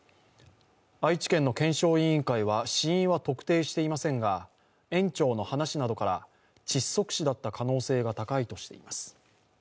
愛知県の検証委員会は死因は特定していませんが、園長の話などから窒息死だった可能性が高いとしています。